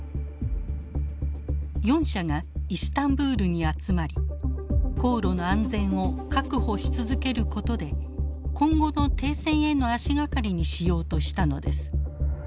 ４者がイスタンブールに集まり航路の安全を確保し続けることで今後の停戦への足掛かりにしようとしたのです。